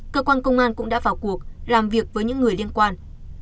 cơ quan công an cũng đã vào cuộc làm việc với những người liên quan